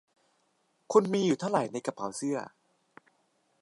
คุณมีอยู่เท่าไรในกระเป๋าเสื้อ